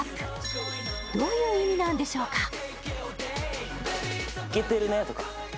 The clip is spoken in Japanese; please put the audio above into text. どういう意味なんでしょうか？